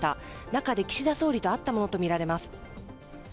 中で岸田総理と会ったものとみられます。